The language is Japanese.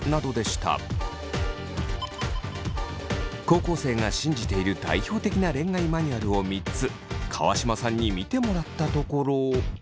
高校生が信じている代表的な恋愛マニュアルを３つ川島さんに見てもらったところ。